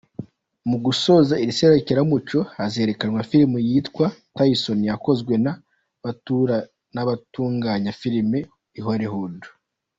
Mu gusoza iri serukiramuco hazerekanwa filime yitwa ‘Tyson’, yakozwe n’abatunganya filime i Hollywood.